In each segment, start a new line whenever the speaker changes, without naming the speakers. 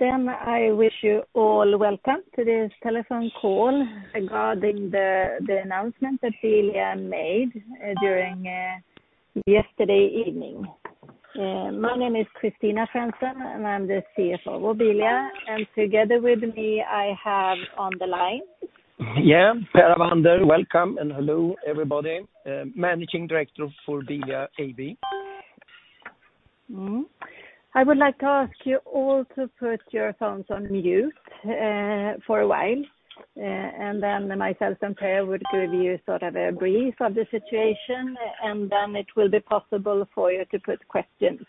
Then I wish you all welcome to this telephone call regarding the announcement that Bilia made during yesterday evening. My name is Kristina Franzén, and I'm the CFO of Bilia, and together with me, I have on the line.
Yeah, Per Avander, welcome, and hello, everybody, Managing Director for Bilia AB.
I would like to ask you all to put your phones on mute, for a while, and then myself and Per would give you sort of a brief of the situation, and then it will be possible for you to put questions.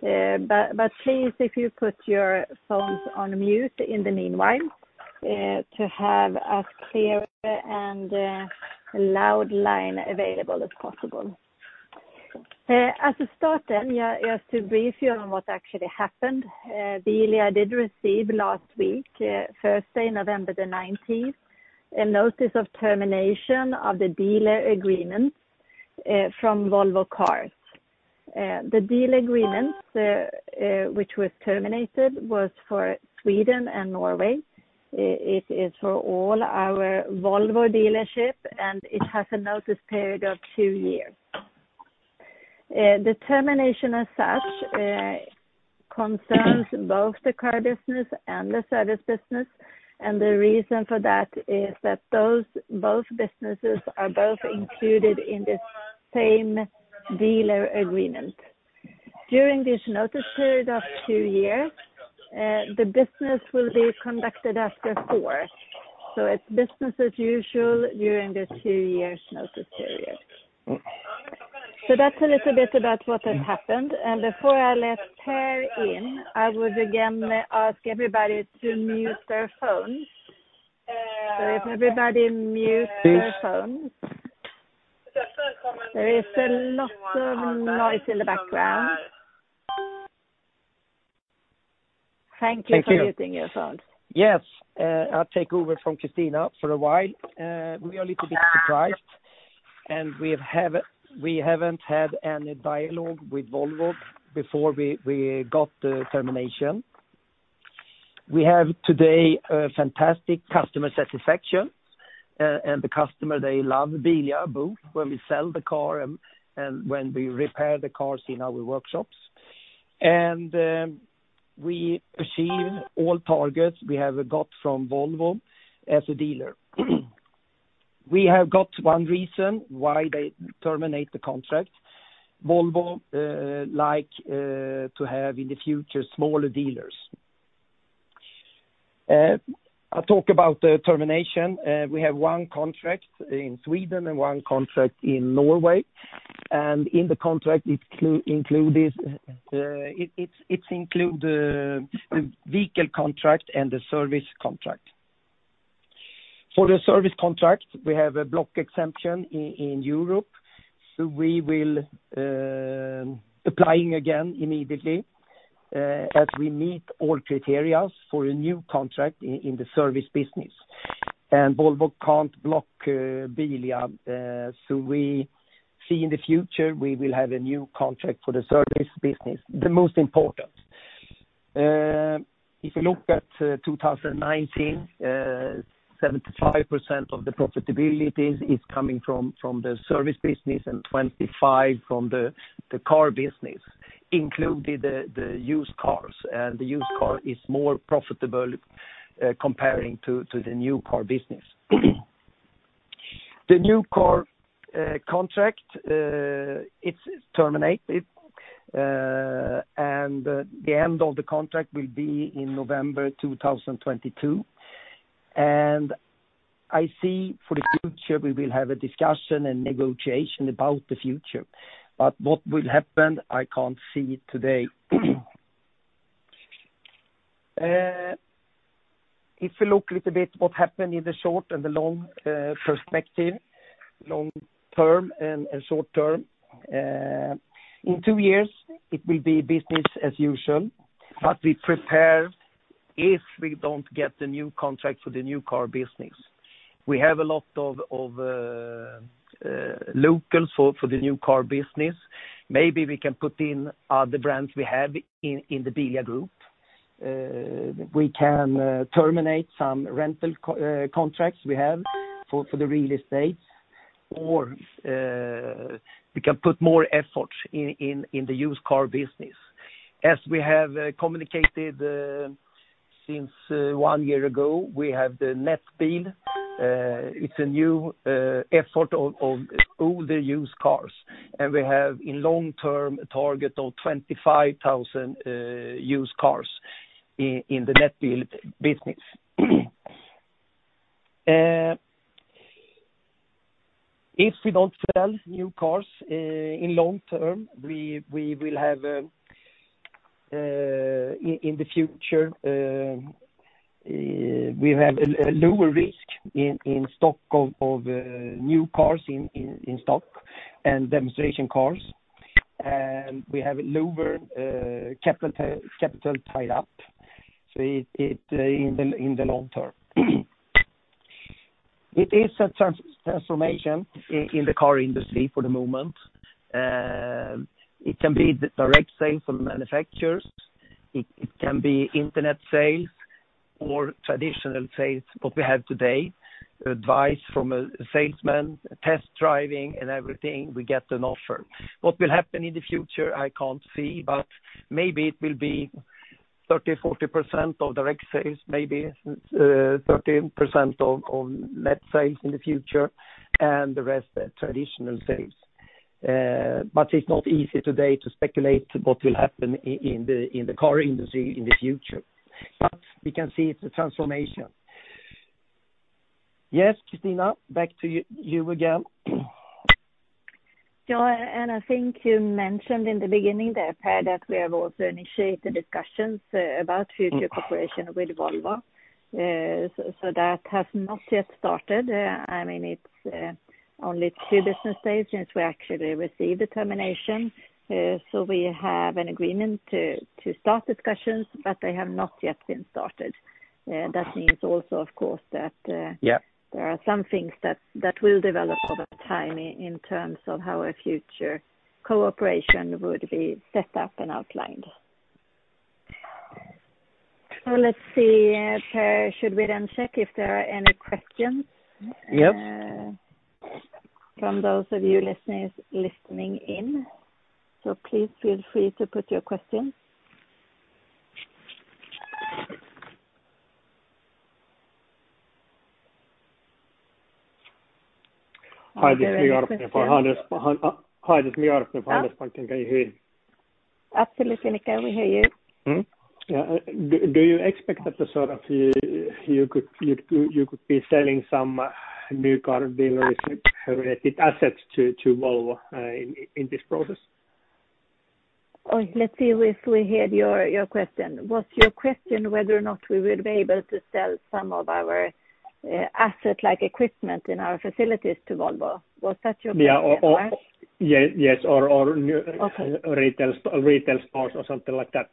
But, but please, if you put your phones on mute in the meanwhile, to have as clear and loud line available as possible. As a start then, yeah, just to brief you on what actually happened. Bilia did receive last week, Thursday, November 19, a notice of termination of the dealer agreement, from Volvo Cars. The dealer agreement, which was terminated, was for Sweden and Norway. It is for all our Volvo dealership, and it has a notice period of two years. The termination as such, concerns both the car business and the service business, and the reason for that is that those, both businesses are both included in this same dealer agreement. During this notice period of two years, the business will be conducted as before, so it's business as usual during this two years notice period. So that's a little bit about what has happened, and before I let Per in, I would again ask everybody to mute their phones. So if everybody mute their phones. There is a lot of noise in the background. Thank you for muting your phones.
Yes, I'll take over from Kristina for a while. We are a little bit surprised, and we haven't had any dialogue with Volvo before we got the termination. We have today a fantastic customer satisfaction, and the customer, they love Bilia, both when we sell the car and when we repair the cars in our workshops. We achieve all targets we have got from Volvo as a dealer. We have got one reason why they terminate the contract. Volvo like to have in the future smaller dealers. I'll talk about the termination. We have one contract in Sweden and one contract in Norway, and in the contract it included the vehicle contract and the service contract. For the service contract, we have a Block Exemption in Europe, so we will apply again immediately, as we meet all criteria for a new contract in the service business. Volvo can't block Bilia, so we see in the future we will have a new contract for the service business, the most important. If you look at 2019, 75% of the profitability is coming from the service business and 25% from the car business, including the used cars, and the used car is more profitable comparing to the new car business. The new car contract it's terminated, and the end of the contract will be in November 2022. I see for the future, we will have a discussion and negotiation about the future, but what will happen, I can't see it today. If you look little bit what happened in the short and the long perspective, long term and short term, in two years, it will be business as usual, but we prepare if we don't get the new contract for the new car business. We have a lot of locals for the new car business. Maybe we can put in the brands we have in the Bilia Group. We can terminate some rental contracts we have for the real estate, or we can put more effort in the used car business. As we have communicated since one year ago, we have the Netbil. It's a new effort of all the used cars, and we have in long term a target of 25,000 used cars in the Netbil business. If we don't sell new cars, in long term, we will have in the future a lower risk in stock of new cars in stock and demonstration cars, and we have a lower capital tied up, so it in the long term. It is a transformation in the car industry for the moment. It can be the direct sales from manufacturers, it can be internet sales or traditional sales, what we have today, advice from a salesman, test driving and everything, we get an offer. What will happen in the future, I can't see, but maybe it will be 30%-40% of direct sales, maybe, 13% of net sales in the future, and the rest are traditional sales. But it's not easy today to speculate what will happen in the car industry in the future. But we can see it's a transformation. Yes, Kristina, back to you again.
Yeah, and I think you mentioned in the beginning there, Per, that we have also initiated discussions about future cooperation with Volvo. So that has not yet started. I mean, it's only two business days since we actually received the termination. So we have an agreement to start discussions, but they have not yet been started. That means also, of course, that-
Yeah.
There are some things that will develop over time in terms of how a future cooperation would be set up and outlined. So let's see, Per, should we then check if there are any questions?
Yep.
To those of you listeners listening in. So please feel free to put your questions.
Hi, this is Michael from Handelsbanken. Can you hear me?
Absolutely, can we hear you?
Mm-hmm. Do you expect that the sort of yo could be selling some new car dealer-related assets to Volvo in this process?
Oh, let's see if we heard your, your question. Was your question whether or not we will be able to sell some of our, asset-like equipment in our facilities to Volvo? Was that your question?
Yeah, yes, or new.
Okay.
Retail stores or something like that.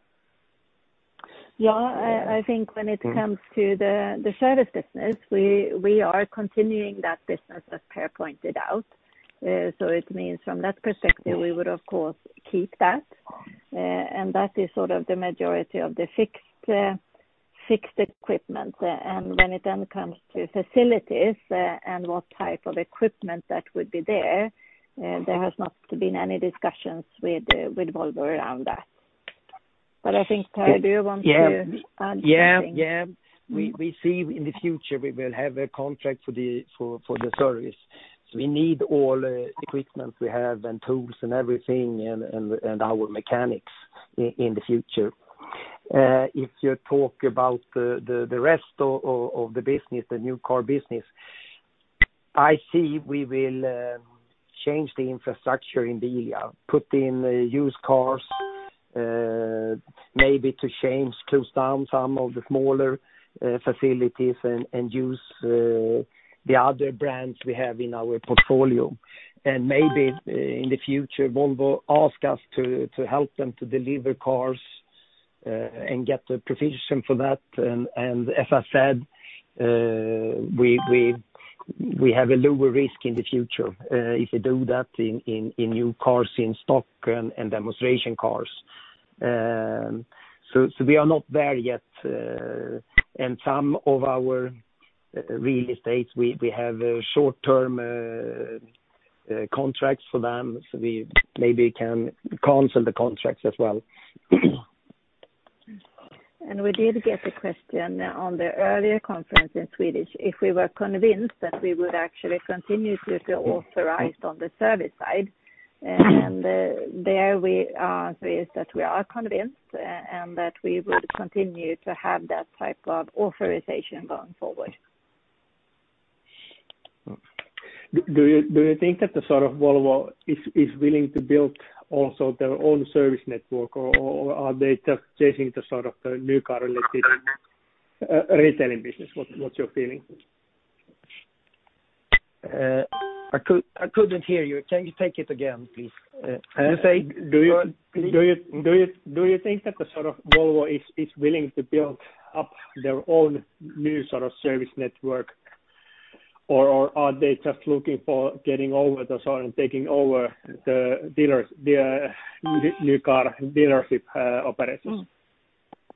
Yeah, I think when it comes to the service business, we are continuing that business, as Per pointed out. So it means from that perspective, we would, of course, keep that and that is sort of the majority of the fixed equipment. When it then comes to facilities, and what type of equipment that would be there, there has not been any discussions with Volvo around that. But I think, Per, do you want to add something?
Yeah, yeah. We see in the future, we will have a contract for the service. So we need all equipment we have, and tools and everything, and our mechanics in the future. If you talk about the rest of the business, the new car business, I see we will change the infrastructure in Bilia, put in the used cars, maybe to change, close down some of the smaller facilities and use the other brands we have in our portfolio. Maybe in the future, Volvo ask us to help them to deliver cars, and get the provision for that. As I said, we have a lower risk in the future, if we do that in new cars in stock and demonstration cars. So we are not there yet, and some of our real estates, we have short-term contracts for them, so we maybe can cancel the contracts as well.
We did get a question on the earlier conference in Swedish, if we were convinced that we would actually continue to be authorized on the service side. And we are convinced, and that we would continue to have that type of authorization going forward.
Do you think that the sort of Volvo is willing to build also their own service network, or are they just chasing the sort of the new car related retailing business? What's your feeling?
I couldn't hear you. Can you take it again, please? You say.
Do you think that the sort of Volvo is willing to build up their own new sort of service network? Or are they just looking for getting over the sort of taking over the dealers, the new car dealership operations?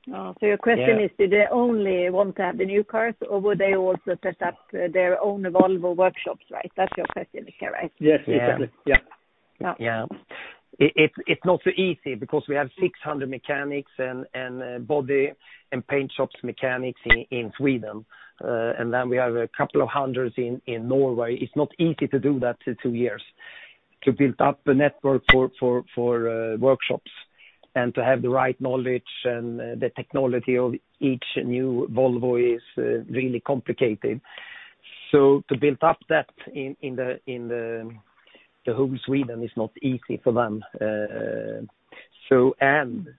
So your question is, do they only want to have the new cars, or would they also set up their own Volvo workshops, right? That's your question, okay, right?
Yes, exactly. Yeah.
Yeah.
Yeah. It's not so easy because we have 600 mechanics and body and paint shops mechanics in Sweden, and then we have a couple of hundreds in Norway. It's not easy to do that in two years, to build up a network for workshops and to have the right knowledge and the technology of each new Volvo is really complicated. So to build up that in the whole Sweden is not easy for them. So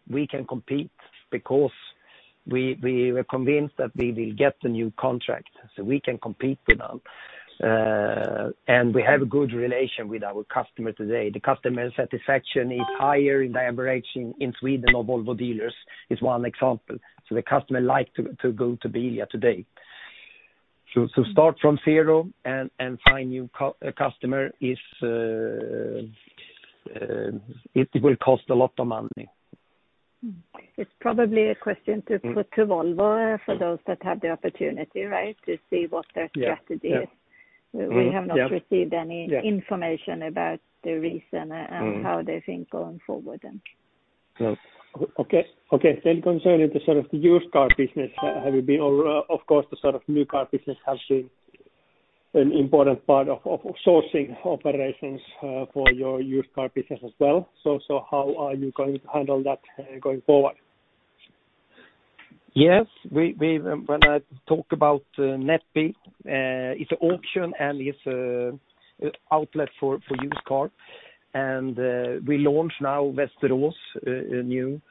we can compete because we were convinced that we will get the new contract, so we can compete with them. We have a good relation with our customer today. The customer satisfaction is higher in the average in Sweden of Volvo dealers, is one example. So the customer like to go to Bilia today. Start from zero and find new customer. It will cost a lot of money.
Mm. It's probably a question to put to Volvo for those that have the opportunity, right? To see what their strategy is.
Yeah, yeah.
We have not received any.
Yeah.
Information about the reason.
Mm-hmm.
And how they think going forward, and.
No.
Okay, then concerning the sort of used car business, of course, the sort of new car business has been an important part of sourcing operations for your used car business as well. So, how are you going to handle that going forward?
Yes, we, when I talk about Netbil, it's an auction, and it's an outlet for used cars. And we launched now Västerås, a new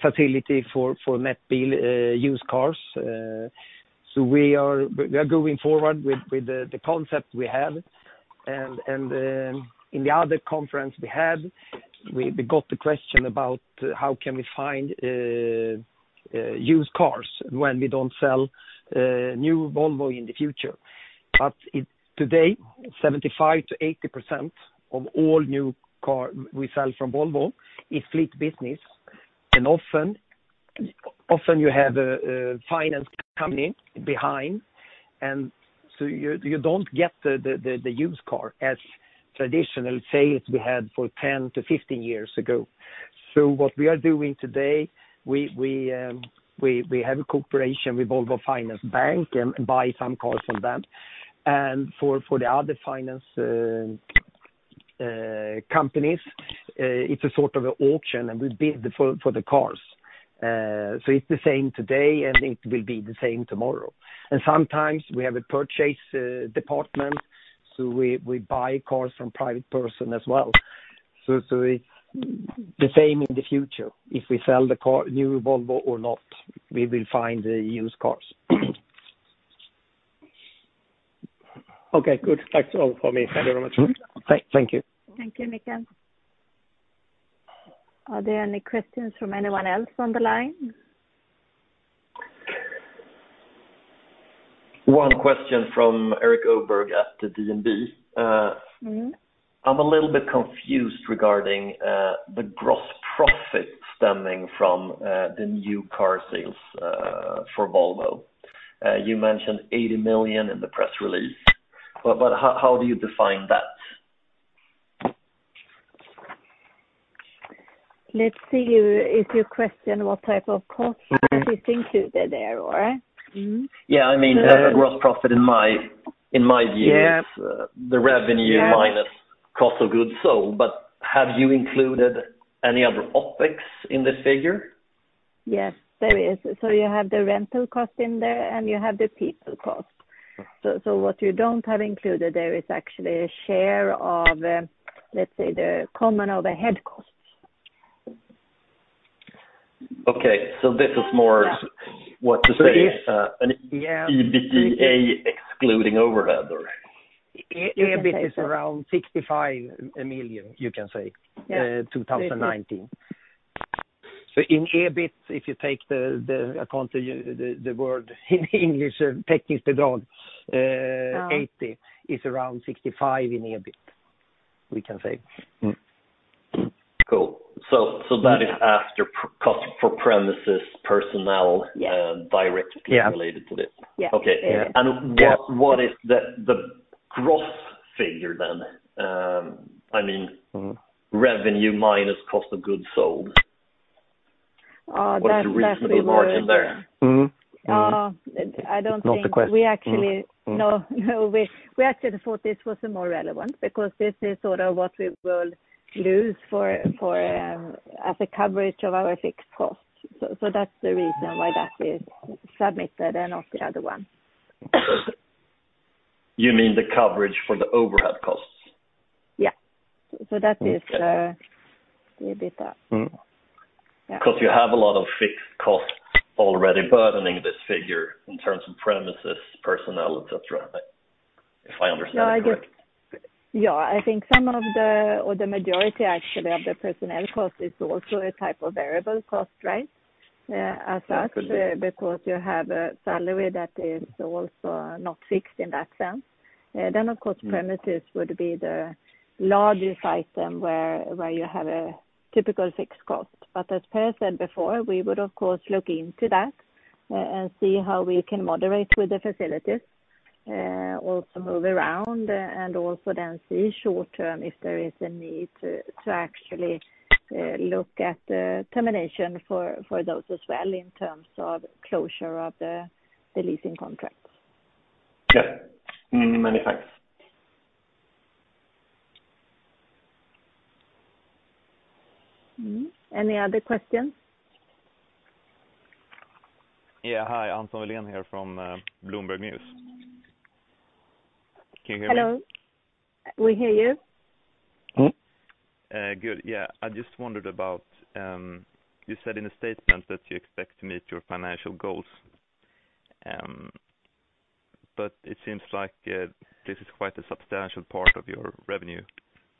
facility for Netbil used cars. So we are going forward with the concept we have. In the other conference we had, we got the question about how can we find used cars when we don't sell new Volvo in the future? But today, 75%-80% of all new cars we sell from Volvo is fleet business. And often you have a finance company behind, and so you don't get the used car as traditional, say, as we had for 10 years-15 years ago. So what we are doing today, we have a cooperation with Volvofinans Bank and buy some cars from them. For the other finance companies, it's a sort of an auction, and we bid for the cars. So it's the same today, and it will be the same tomorrow. Sometimes, we have a purchase department, so we buy cars from private person as well. So the same in the future, if we sell the car, new Volvo or not, we will find the used cars.
Okay, good. That's all for me. Thank you very much.
Thank you.
Thank you, Michael. Are there any questions from anyone else on the line?
One question from Erik Öberg at the DNB.
Mm-hmm.
I'm a little bit confused regarding the gross profit stemming from the new car sales for Volvo. You mentioned 80 million in the press release, but, but how, how do you define that?
Let's see, if you question what type of cost.
Mm-hmm
Is included there, or? Mm-hmm.
Yeah, I mean, gross profit in my, in my view.
Yeah.
Is the revenue..
Yes
Minus cost of goods sold. But have you included any other OpEx in this figure?
Yes, there is. So you have the rental cost in there, and you have the people cost. So, so what you don't have included there is actually a share of, let's say, the common overhead costs.
Okay, so this is more.
Yeah.
What to say?
It is.
Uh.
Yeah.
EBITDA excluding overhead, or?
You can say that.
EBIT is around 65 million, you can say.
Yeah.
In 2019. So in EBIT, if you take the account, the word in English, [take this to dawn].
Ah.
SEK 80 million is around 65 million in EBIT, we can say.
Cool. So that is after cost for premises, personnel.
Yeah.
And directly.
Yeah.
Related to this?
Yeah.
Okay.
Yeah.
What is the gross figure then? I mean.
Mm.
Revenue minus cost of goods sold.
That will be more.
What is the reasonable margin there?
Mm-hmm. Mm.
I don't think.
Not the question.
We actually, no, no, we actually thought this was more relevant because this is sort of what we will lose for as a coverage of our fixed costs. So, that's the reason why that is submitted and not the other one.
You mean the coverage for the overhead costs?
Yeah. So that is.
Okay.
The EBITDA.
Mm.
Yeah.
'Cause you have a lot of fixed costs already burdening this figure in terms of premises, personnel, et cetera, if I understand correct.
Yeah, I think some of the, or the majority actually, of the personnel cost is also a type of variable cost, right? As such, because you have a salary that is also not fixed in that sense. Then, of course, premises would be the largest item where, where you have a typical fixed cost. But as Per said before, we would of course look into that, and see how we can moderate with the facilities, also move around, and also then see short term if there is a need to, to actually, look at the termination for, for those as well in terms of closure of the, the leasing contracts.
Yeah. Mm, many thanks.
Mm. Any other questions?
Yeah, hi, Anton Wilén here from Bloomberg News. Can you hear me?
Hello. We hear you.
Mm-hmm. Good. Yeah, I just wondered about, you said in a statement that you expect to meet your financial goals, but it seems like, this is quite a substantial part of your revenue.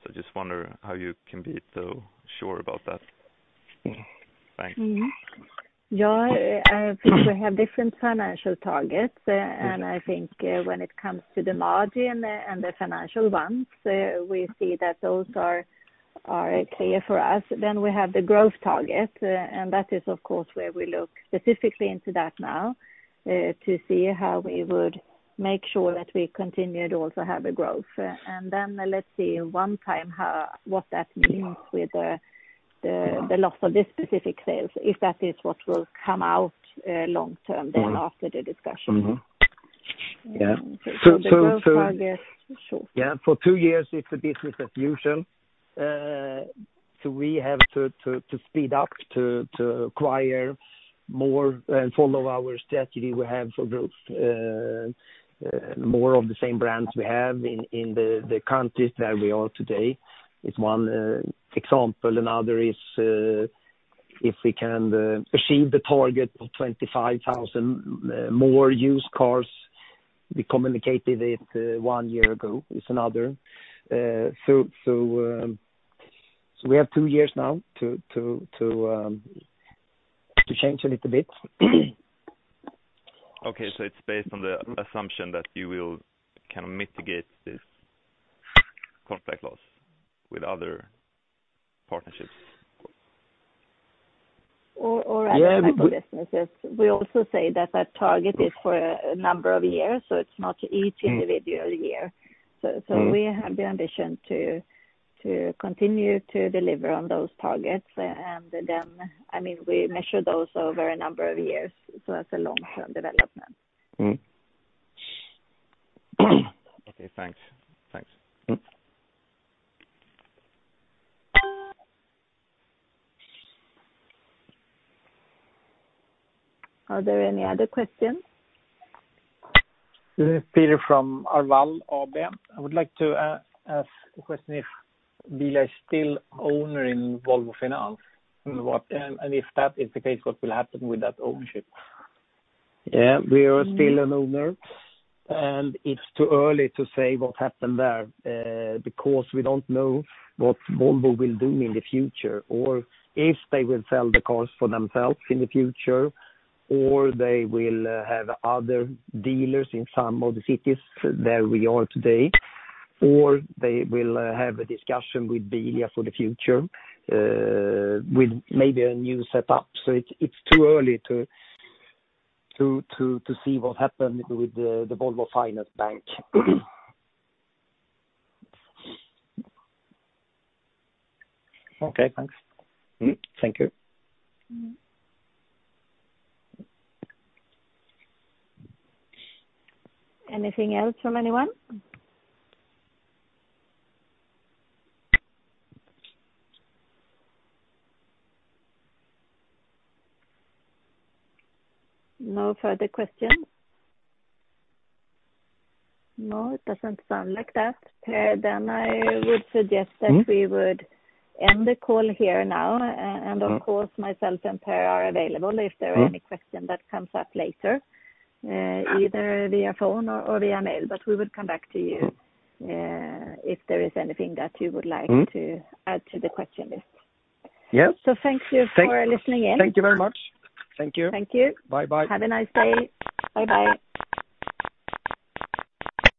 So I just wonder how you can be so sure about that?
Mm-hmm. Yeah, I think we have different financial targets, and I think, when it comes to the margin and the financial ones, we see that those are clear for us. Then we have the growth target, and that is, of course, where we look specifically into that now, to see how we would make sure that we continue to also have a growth. And then let's see one time what that means with the loss of this specific sales, if that is what will come out, long term then after the discussion.
Mm-hmm. Yeah.
Sure.
So, yeah, for two years, it's a business as usual. So we have to speed up to acquire more and follow our strategy we have for growth, more of the same brands we have in the countries where we are today, is one example. Another is, if we can achieve the target of 25,000 more used cars, we communicated it one year ago, is another. So we have two years now to change a little bit.
Okay, so it's based on the assumption that you will kind of mitigate this conflict loss with other partnerships?
Or other.
Yeah.
Cycle businesses. We also say that that target is for a number of years, so it's not each individual year.
Mm.
So we have the ambition to continue to deliver on those targets. And then, I mean, we measure those over a number of years, so that's a long-term development.
Okay, thanks. Thanks.
Mm.
Are there any other questions?
Peter from Arval. I would like to ask a question if Bilia is still owner in Volvofinans, and if that is the case, what will happen with that ownership?
Yeah, we are still an owner, and it's too early to say what happened there, because we don't know what Volvo will do in the future, or if they will sell the cars for themselves in the future, or they will have other dealers in some of the cities where we are today, or they will have a discussion with Bilia for the future, with maybe a new setup. So it's too early to see what happened with the Volvofinans Bank.
Okay, thanks.
Mm. Thank you.
Mm. Anything else from anyone? No further questions? No, it doesn't sound like that. Per, then I would suggest.
Mm.
That we would end the call here now.
Mm.
Of course, myself and Per are available.
Mm.
If there are any question that comes up later, either via phone or, or via mail, but we will come back to you.
Mm.
If there is anything that you would like.
Mm.
To add to the question list.
Yeah.
Thank you for listening in.
Thank you very much. Thank you.
Thank you.
Bye-bye.
Have a nice day. Bye-bye.